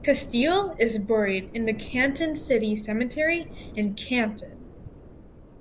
Casteel is buried in the Canton City Cemetery in Canton.